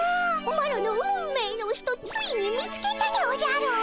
マロの運命の人ついに見つけたでおじゃる！